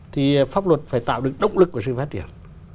thì pháp luật phải tạo được động lực của sự phát triển